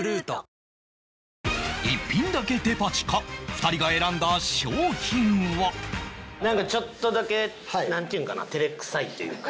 ２人が選んだ商品は？なんかちょっとだけなんていうんかな照れくさいというか。